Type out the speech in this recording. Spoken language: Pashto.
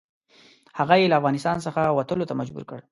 هغه یې له افغانستان څخه وتلو ته مجبور کړ.